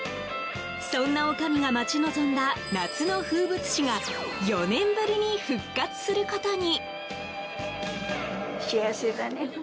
そんなおかみが待ち望んだ夏の風物詩が４年ぶりに復活することに。